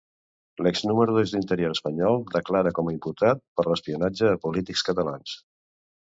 L'ex-número dos d'Interior espanyol declararà com a imputat per l'espionatge a polítics catalans.